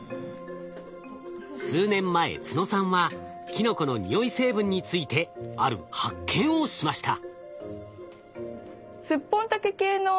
数年前都野さんはキノコの匂い成分についてある発見をしました。